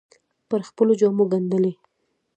پر خپلو جامو ګنډلې